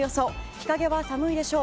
日陰は寒いでしょう。